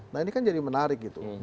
nah ini kan jadi menarik gitu